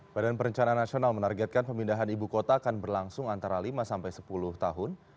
badan perencanaan nasional menargetkan pemindahan ibu kota akan berlangsung antara lima sampai sepuluh tahun